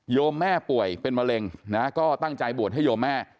แม่ป่วยเป็นมะเร็งนะก็ตั้งใจบวชให้โยมแม่